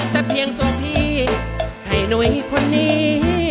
แต่เพียงตัวพี่ให้หนุ้ยคนนี้